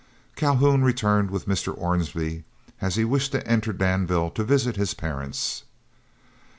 Calhoun returned with Mr. Ormsby, as he wished to enter Danville to visit his parents.